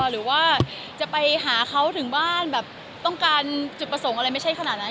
หรือว่าจะไปหาเขาถึงบ้านแบบต้องการจุดประสงค์อะไรไม่ใช่ขนาดนั้น